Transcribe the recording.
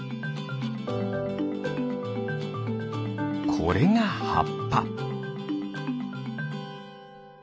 これがはっぱ。